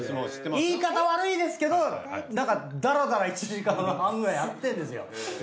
言い方悪いですけどダラダラ１時間半くらいやってるんですよ。